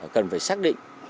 cần phải xác định